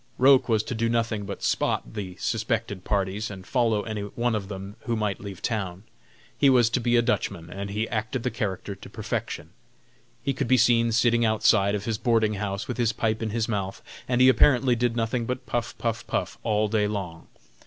Roch was to do nothing but "spot" the suspected parties and follow any one of them who might leave town. He was to be a Dutchman, and he acted the character to perfection. He could be seen sitting outside of his boarding house with his pipe in his mouth, and he apparently did nothing but puff, puff, puff all day long.